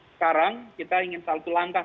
sekarang kita ingin satu langkah